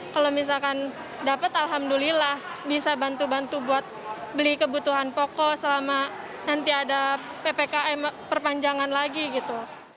kalau misalkan dapat alhamdulillah bisa bantu bantu buat beli kebutuhan pokok selama nanti ada ppkm perpanjangan lagi gitu